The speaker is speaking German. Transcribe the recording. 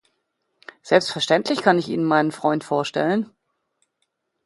Selbstverständlich kann ich Ihnen meinen Freund vorstellen.